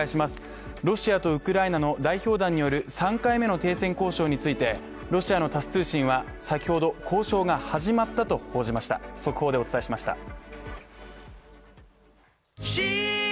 ロシアとウクライナの代表団による３回目の停戦交渉についてロシアのタス通信は、先ほど交渉が始まったと報じました。